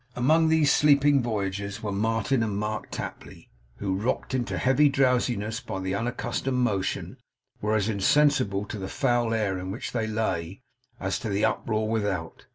Among these sleeping voyagers were Martin and Mark Tapley, who, rocked into a heavy drowsiness by the unaccustomed motion, were as insensible to the foul air in which they lay, as to the uproar without.